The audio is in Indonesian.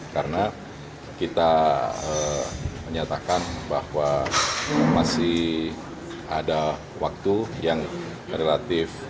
karena kita menyatakan bahwa masih ada waktu yang relatif